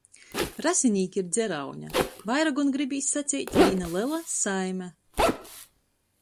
Rasinīki ir dzeraune, vaira gon gribīs saceit – vīna lela saime!